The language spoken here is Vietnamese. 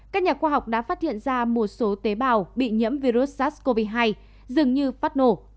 các nhà khoa học đã phát hiện ra một số tế bào bị nhiễm virus sars cov hai dường như phát nổ